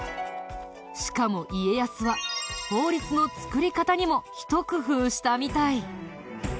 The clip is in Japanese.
しかも家康は法律の作り方にもひと工夫したみたい。